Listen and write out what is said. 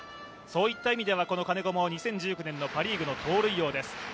そういった意味では、金子も２０１９年のパ・リーグの盗塁王です。